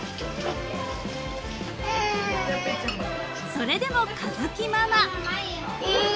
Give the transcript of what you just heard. ［それでも佳月ママ］